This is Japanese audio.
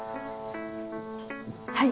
はい。